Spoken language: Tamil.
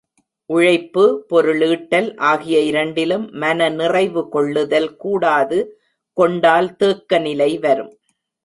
உழைப்பு, பொருளீட்டல் ஆகிய இரண்டிலும் மன நிறைவு கொள்ளுதல் கூடாது கொண்டால் தேக்கநிலை வரும்.